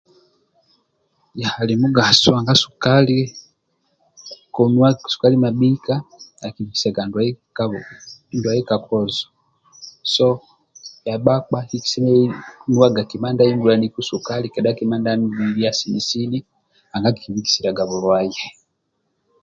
Ali mugaso nanga sukali konuwa sukali mabhika akibikisaga bulwaye ka kozo so bhia bhakpa bhikisemelelu nuwaga kima ndia ahingulaniku sukali kedha kima ndia anulililia sini sini nanga akikibikisiliaga bulwaye